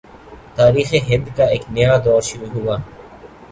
تاریخ ہند کا ایک نیا دور شروع ہوا